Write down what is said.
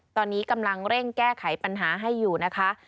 ตอนนี้กำลังเร่งแก้ไขปัญหาให้อยู่นะคะ